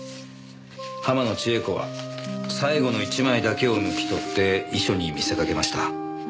浜野千絵子は最後の１枚だけを抜き取って遺書に見せかけました。